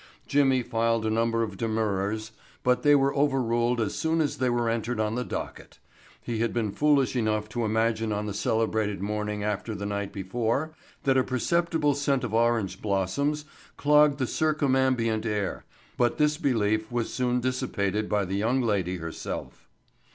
Jimmy filed a number of demurrers, but they were over ruled as soon as they were entered on the docket. He had been foolish enough to imagine on the celebrated morning after the night before that a perceptible scent of orange blossoms clogged the circumambient air, but this belief was soon dissipated by the young lady herself.